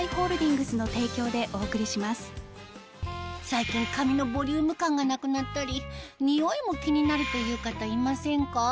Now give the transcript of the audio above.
最近髪のボリューム感がなくなったりにおいも気になるという方いませんか？